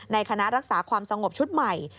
คณะรักษาความสงบชุดใหม่